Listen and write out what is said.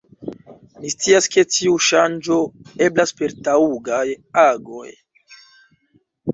Ni scias, ke tiu ŝanĝo eblas per taŭgaj agoj.